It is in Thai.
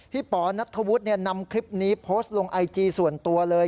ป๋อนัทธวุฒินำคลิปนี้โพสต์ลงไอจีส่วนตัวเลย